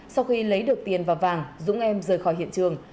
sau khi lấy được tiền và vàng dũng em rời khỏi hiện trường